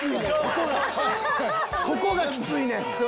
ここがきついねん！